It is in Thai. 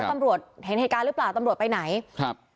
ตำรวจเห็นเหตุการณ์หรือเปล่าตำรวจไปไหนครับ